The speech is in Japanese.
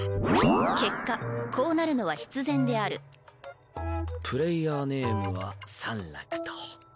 結果こうなるのは必然であるプレイヤーネームは「サンラク」と。